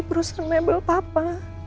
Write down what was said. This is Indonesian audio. perusahaan mebel papa